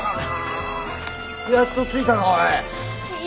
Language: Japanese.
やっと着いたかおい！